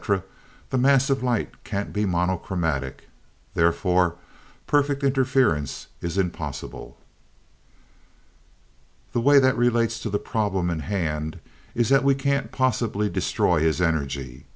the mass of light can't be monochromatic. Therefore perfect interference is impossible. "The way that relates to the problem in hand, is that we can't possibly destroy his energy.